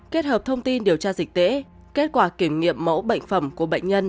kết hợp thông tin điều tra dịch tễ kết quả kiểm nghiệm mẫu bệnh phẩm của bệnh nhân